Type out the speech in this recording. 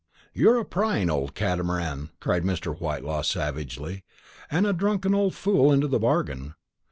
"You're a prying old catemeran!" cried Mr. Whitelaw savagely, "and a drunken old fool into the bargain.